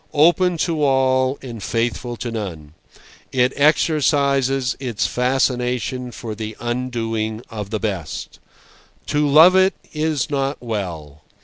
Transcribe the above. Open to all and faithful to none, it exercises its fascination for the undoing of the best. To love it is not well.